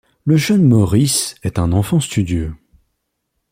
Le jeune Maurice est un enfant studieux.